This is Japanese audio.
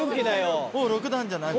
もう６段じゃない？